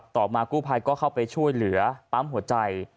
ต่อมากู้ภัยก็เข้าไปช่วยเหลือปั๊มหัวใจ